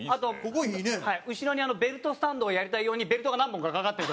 後ろにベルトスタンドをやりたい用にベルトが何本かかかってる。